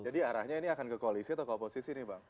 jadi arahnya ini akan ke koalisi atau ke oposisi nih bang